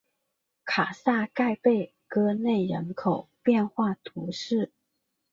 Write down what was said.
卡萨盖贝戈内人口变化图示